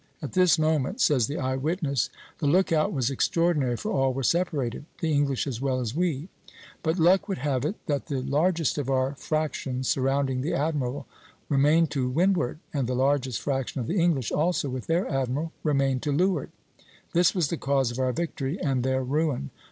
"At this moment," says the eye witness, "the lookout was extraordinary, for all were separated, the English as well as we. But luck would have it that the largest of our fractions surrounding the admiral remained to windward, and the largest fraction of the English, also with their admiral, remained to leeward [Figs. 1 and 2, C and C']. This was the cause of our victory and their ruin.